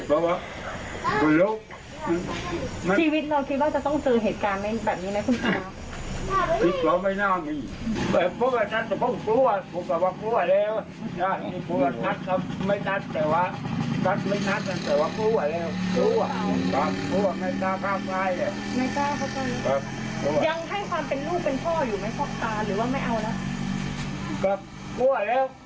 ชีวิตเราคิดว่าจะต้องเจอเหตุการณ์แบบนี้ไหมคุณอา